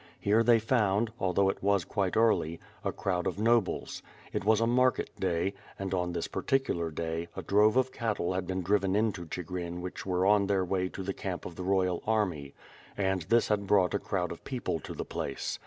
Here they found, although it was quite early, a crowd of nobles. It was a market day, and on this particular day, a drove of cattle had been driven into Chigrin which were on their way to the camp of the royal army; and this had 1 17 ig WITH FIRE AND SWORD. brought a crowd of people to the place.